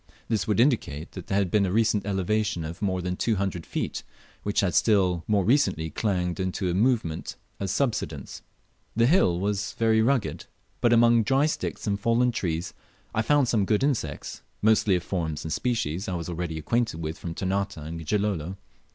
This would indicate flat there had been a recent elevation of more than two hundred feet, which had still more recently clanged into a movement of subsidence. The hill was very rugged, but among dry sticks and fallen trees I found some good insects, mostly of forms and species I was already acquainted with from Ternate and Gilolo.